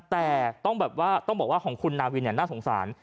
แต่ต้องบอกว่าของคุณนาวินน่าสงสาร